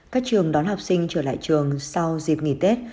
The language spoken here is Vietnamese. các trường đón học sinh trở lại trường sau dịp nghỉ tết